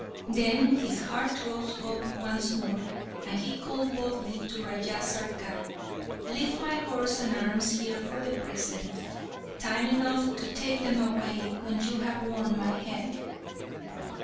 Then his heart rose up once more, and he called boldly to Raja Sarkap, "Leave my horse and arms here for the present. Time enough to take them away when you have won my head!"